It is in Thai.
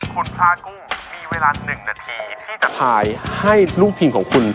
คุณพระกุ้งมีเวลา๑นาทีที่จะพายให้ลูกทีมของคุณ